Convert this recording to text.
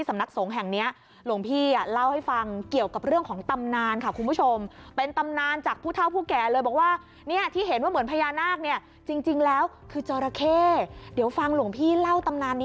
อันนี้เป็นเรื่องเล่านะครับผมไม่ใช่ข้าวจานเล่าเองครับผม